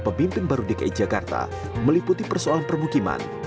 pemimpin baru dki jakarta meliputi persoalan permukiman